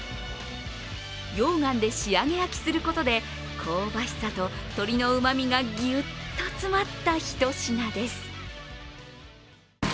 溶岩で仕上げ焼きすることで香ばしさと鶏のうまみがギュッと詰まった一品です。